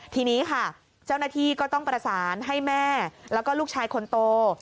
ทีนี้ค่ะเจ้าหน้าที่ก็ต้องประสานให้แม่แล้วก็ลูกชายคนโต